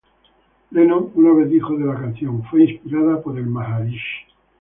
Lennon una vez dijo de la canción: ""Fue inspirada por el Maharishi.